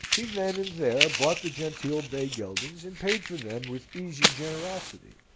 He then and there bought the genteel bay geldings, and paid for them with easy generosity.